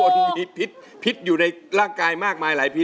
มันมีพิษอยู่ในร่างกายมากมายหลายพิษ